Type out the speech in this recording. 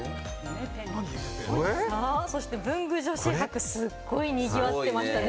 そして文具女子博、すごい賑わってましたね。